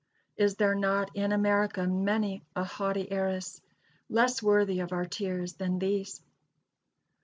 Is there not in America many a haughty heiress, less worthy of our tears, than these?